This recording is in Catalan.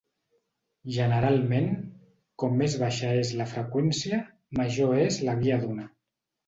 Generalment, com més baixa és la freqüència, major és la guia d'ona.